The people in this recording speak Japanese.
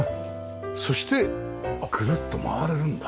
そしてぐるっと回れるんだ。